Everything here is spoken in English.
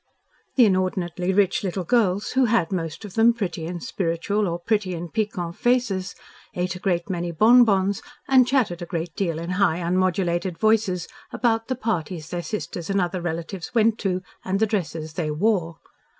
The inordinately rich little girls, who had most of them pretty and spiritual or pretty and piquant faces, ate a great many bon bons and chattered a great deal in high unmodulated voices about the parties their sisters and other relatives went to and the dresses they wore.